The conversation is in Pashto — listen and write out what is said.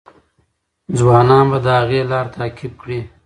ځوانان به د هغې لار تعقیب کړي.